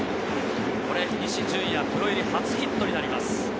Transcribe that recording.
西純矢、プロ入り初ヒットになります。